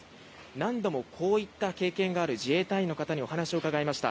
何度もこういった経験がある自衛隊員の方にお話を伺いました。